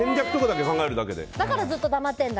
だからずっと黙ってるんだ。